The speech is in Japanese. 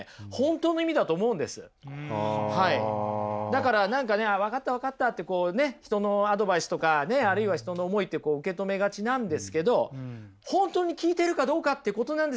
だから何かね分かった分かったってこうね人のアドバイスとかねあるいは人の思いってこう受け止めがちなんですけど本当に聞いてるかどうかってことなんですよね！